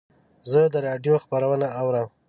زه د رادیو خپرونه اورم.